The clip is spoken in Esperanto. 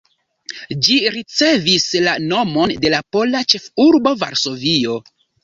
Ĝi ricevis la nomon de la pola ĉefurbo Varsovio.